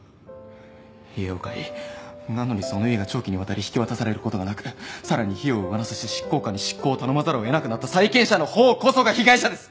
家を買いなのにその家が長期にわたり引き渡される事がなくさらに費用を上乗せして執行官に執行を頼まざるを得なくなった債権者のほうこそが被害者です。